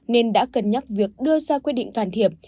nên đã cân nhắc việc đưa ra quy định can thiệp